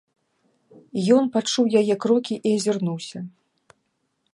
Ён пачуў яе крокі і азірнуўся.